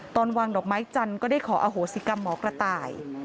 ตอนวางดอกไม้จันทร์ก็ได้ขออโหสิกรรมหมอกระต่าย